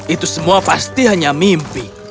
itu semua pasti hanya mimpi